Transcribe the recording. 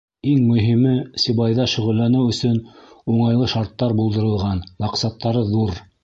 Иң мөһиме — Сибайҙа шөғөлләнеү өсөн уңайлы шарттар булдырылған, маҡсаттары ҙур.